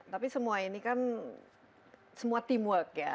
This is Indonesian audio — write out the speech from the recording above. tapi semua ini kan semua teamwork ya